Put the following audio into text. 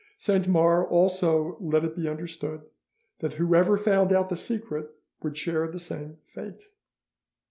Saint Mars also let it be understood that whoever found out the secret would share the same fate.